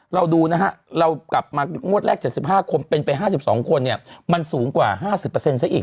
เราดูนะฮะเรากลับมางวดแรก๗๕คนเป็นไป๕๒คนเนี่ยมันสูงกว่า๕๐ซะอีก